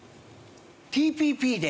ＴＰＰで？